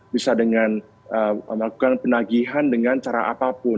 bisa dengan melakukan penagihan dengan cara apapun